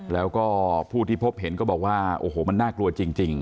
แล้วก็ผู้ที่พบเห็นก็บอกว่าโอ้โหมันน่ากลัวจริง